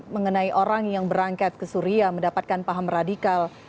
mengenai orang yang berangkat ke suria mendapatkan paham radikal